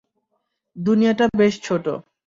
দুনিয়াটা বেশ ছোট।